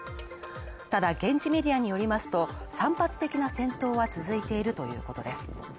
ただ現地メディアによりますと、散発的な戦闘は続いているということです。